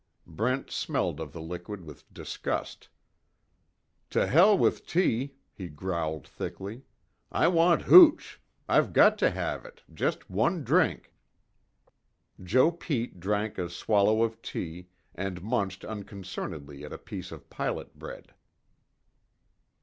Brent smelled of the liquid with disgust: "To hell with tea!" he growled thickly, "I want hooch. I've got to have it just one drink." Joe Pete drank a swallow of tea, and munched unconcernedly at a piece of pilot bread.